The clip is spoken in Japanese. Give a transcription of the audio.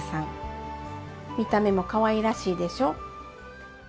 見た目もかわいらしいでしょ。